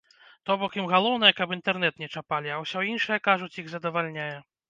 То бок ім галоўнае каб інтэрнэт не чапалі, а ўсё іншае, кажуць, іх задавальняе.